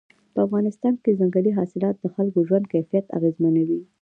په افغانستان کې ځنګلي حاصلات د خلکو ژوند کیفیت اغېزمنوي.